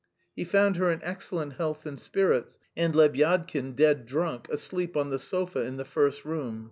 He found her in excellent health and spirits and Lebyadkin dead drunk, asleep on the sofa in the first room.